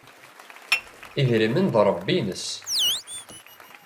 Idrimen d Ṛebbi-nnes.